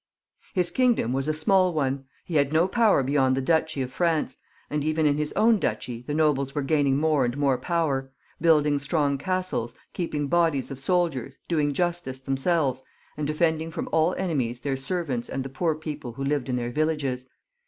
53 His kingdom was a small one ; he had no power beyond the duchy of France, and even in his own duchy the nobles were gaining more and more power, building strong castles, keeping bodies of soldiers, doing justice themselves, and defeiMiing from all enemies their servants and the poor people who lived in their villages.